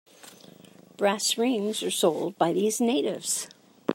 Brass rings are sold by these natives.